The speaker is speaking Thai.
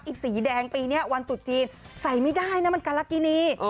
สีแดงปีนี้วันตุดจีนใส่ไม่ได้นะมันการากินี